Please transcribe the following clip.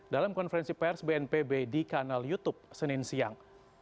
dalam konferensi pers bnpb di kanal youtube senin siang